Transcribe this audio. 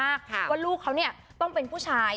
ว่าลูกเขาเนี่ยต้องเป็นผู้ชาย